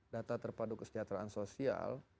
data terpadu kesejahteraan sosial